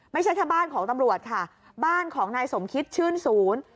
ไม่ใช่แค่บ้านของตำรวจค่ะบ้านของนายสมคิดชื่นศูนย์